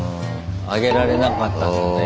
あげられなかったんだね。